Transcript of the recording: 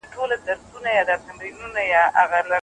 شاه امان الله خان د افغانانو د خپلواکۍ لپاره نوښتونه وکړل.